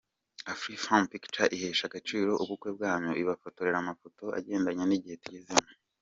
Afrifame Pictures ihesha agaciro ubukwe bwanyu, ibafotorera amafoto agendanye n'igihe tugezemo.